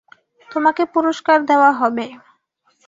তোমাকে পুরষ্কার দেওয়া হবে।